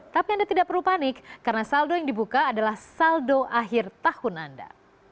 tapi anda tidak perlu panik karena saldo yang dibuka adalah saldo akhir tahun anda